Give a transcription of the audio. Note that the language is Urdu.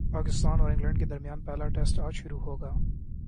پاکستان اور انگلینڈ کے درمیان پہلا ٹیسٹ اج شروع ہوگا